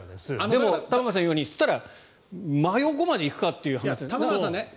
でも、玉川さんが言うようにそうしたら真横まで行くかと。